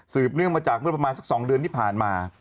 เนื่องมาจากเมื่อประมาณสัก๒เดือนที่ผ่านมา